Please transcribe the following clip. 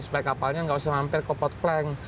supaya kapalnya nggak usah mampir ke pot plank